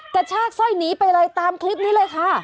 กระชากสร้อยหนีไปเลยตามคลิปนี้เลยค่ะ